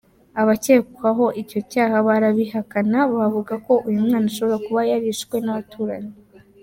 Abakekwaho icyo cyaha barabihakana bavuga ko uyu mwana ashobora kuba yarishwe n’abaturanyi.